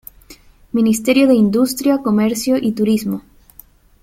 Ministerio de Industria, Comercio y Turismo.